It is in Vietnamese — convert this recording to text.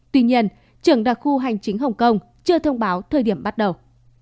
tuy nhiên trưởng đặc khu hành chính hồng kông chưa thông báo thời điểm bắt đầu